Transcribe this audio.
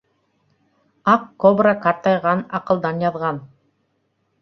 Аҡ кобра ҡартайған, аҡылдан яҙған...